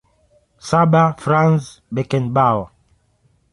Saba Franz Beckenbaue